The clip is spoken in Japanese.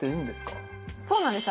そうなんです。